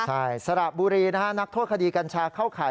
ใช่สระบุรีนะฮะนักโทษคดีกัญชาเข้าข่าย